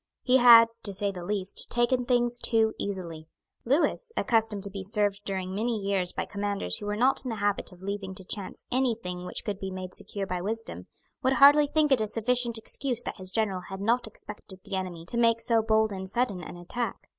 He had, to say the least, taken things too easily. Lewis, accustomed to be served during many years by commanders who were not in the habit of leaving to chance any thing which could be made secure by wisdom, would hardly think it a sufficient excuse that his general had not expected the enemy to make so bold and sudden an attack.